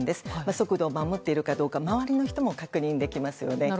速度を守っているかどうか周りの人も確認できますよね。